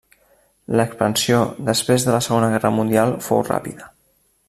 L'expansió després de la Segona Guerra Mundial fou ràpida.